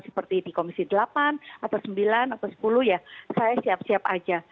seperti di komisi delapan atau sembilan atau sepuluh ya saya siap siap aja